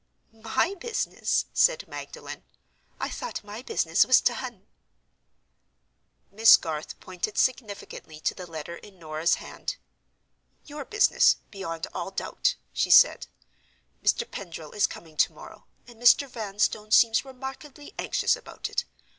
"My business!" said Magdalen. "I thought my business was done." Miss Garth pointed significantly to the letter in Norah's hand. "Your business, beyond all doubt," she said. "Mr. Pendril is coming tomorrow; and Mr. Vanstone seems remarkably anxious about it.